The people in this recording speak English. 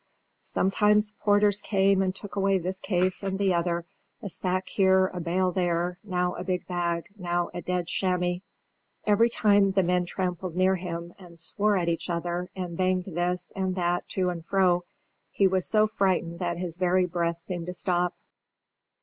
Sometimes porters came and took away this case and the other, a sack here, a bale there, now a big bag, now a dead chamois. Every time the men trampled near him, and swore at each other, and banged this and that to and fro, he was so frightened that his very breath seemed to stop.